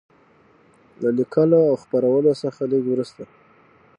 له لیکلو او خپرولو څخه لږ وروسته.